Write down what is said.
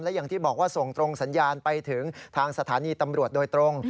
อย่างที่บอกว่าส่งตรงสัญญาณไปถึงทางสถานีตำรวจโดยตรง